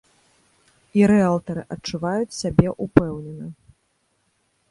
І рыэлтары адчуваюць сябе ўпэўнена.